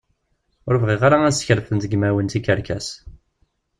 Ur bɣiɣ ara ad skerfen deg yimawen tikerkas.